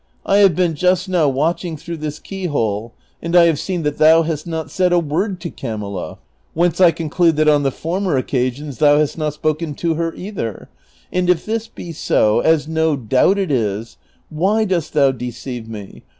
I have been just now watching through this keyhole, and I have seen that thou hast not said a word to Camilla, whence I conclude that on the former occasions thou hast not spoken ro her either, and if this be so, as no doubt it is, why dost thou deceive me.